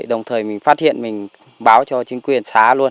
đồng thời mình phát hiện mình báo cho chính quyền xá luôn